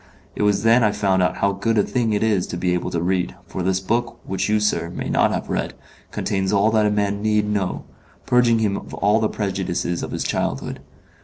It was then I found out how good a thing it is to be able to read, for this book, which you, sir, may not have read, contains all that a man need know purging him of all the prejudices of his childhood.